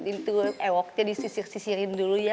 itu ewoknya disisir sisirin dulu ya